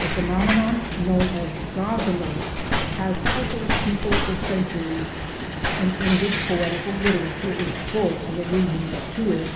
The phenomenon known as "gossamer" has puzzled people for centuries, and English poetical literature is full of allusions to it.